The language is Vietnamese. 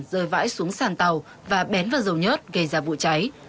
rơi vãi xuống sàn tàu và bén vào dầu nhớt gây ra vụ cháy